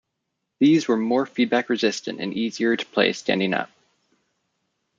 These were more feedback resistant and easier to play standing up.